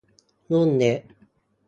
รุ่นเล็ก